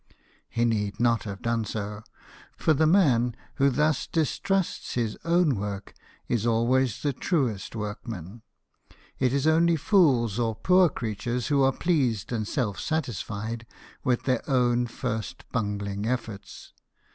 He need not have done so, for the man who thus dis trusts his own work is always the truest work man ; it is only fools or poor creatures who are pleased and self satisfied with their own first bungling efforts.